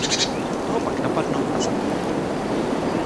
Toho pak napadnou a zabijí.